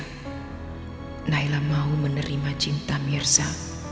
kalau saja nailah mau menerima cinta mirsa